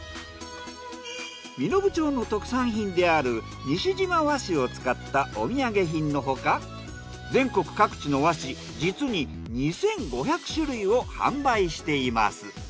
身延町の特産品である西嶋和紙を使ったお土産品のほか全国各地の和紙実に２，５００種類を販売しています。